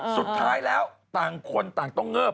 สุดท้ายแล้วต่างคนต่างต้องเงิบ